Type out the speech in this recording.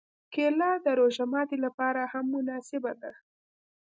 کېله د روژه ماتي لپاره هم مناسبه ده.